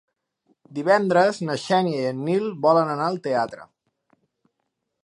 Divendres na Xènia i en Nil volen anar al teatre.